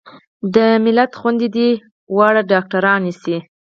د ملت خويندې دې واړه ډاکترانې شي